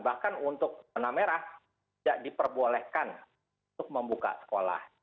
bahkan untuk zona merah tidak diperbolehkan untuk membuka sekolah